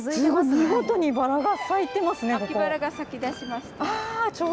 見事にバラが咲いてますね、ここ。